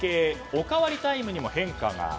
おかわりタイムにも変化が。